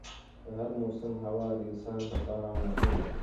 د هر موسم هوا د انسان لپاره مهم ده.